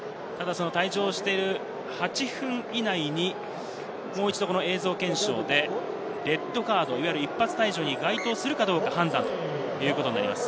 退場している８分以内に、もう一度、映像検証でレッドカード、一発退場に該当するかどうか判断するということになります。